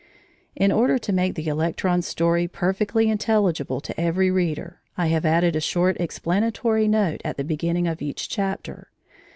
In order to make the electron's story perfectly intelligible to every reader, I have added a short explanatory note at the beginning of each chapter.